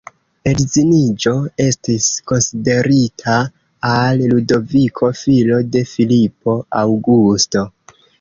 Edziniĝo estis konsiderita al Ludoviko, filo de Filipo Aŭgusto.